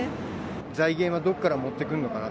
財源はどこから持ってくるのかな。